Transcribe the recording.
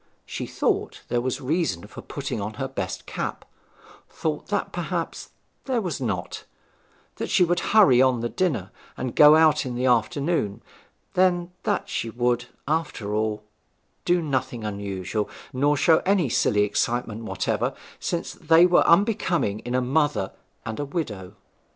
She thought there was reason for putting on her best cap, thought that perhaps there was not; that she would hurry on the dinner and go out in the afternoon; then that she would, after all, do nothing unusual, nor show any silly excitements whatever, since they were unbecoming in a mother and a widow.